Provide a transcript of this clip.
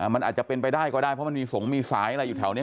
มันอาจจะเป็นไปได้ก็ได้เพราะมันมีสงฆ์มีสายอะไรอยู่แถวนี้